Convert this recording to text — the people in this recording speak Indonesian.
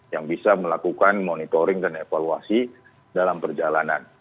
yang bisa melakukan monitoring dan evaluasi dalam perjalanan